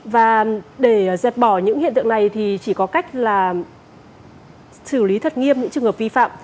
và để dẹp bỏ những hiện tượng này thì chỉ có cách là xử lý thật nghiêm những trường hợp vi phạm